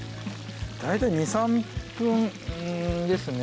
大体２３分ですね。